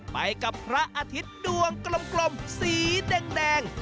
ไปกับพระอาทิตย์ดวงกลมสีแดง